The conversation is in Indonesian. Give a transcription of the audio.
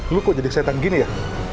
lu kok jadi setan gini ya